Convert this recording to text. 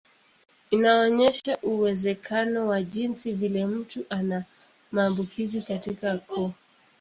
Inaonyesha uwezekano wa jinsi vile mtu ana maambukizi katika koo.